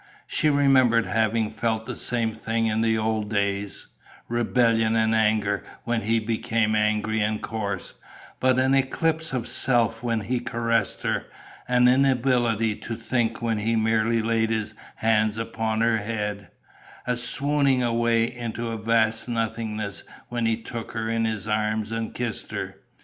She remembered having felt the same thing in the old days: rebellion and anger when he became angry and coarse, but an eclipse of self when he caressed her; an inability to think when he merely laid his hand upon her head; a swooning away into a vast nothingness when he took her in his arms and kissed her.